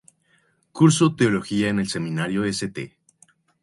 Cursó Teología en el Seminario St.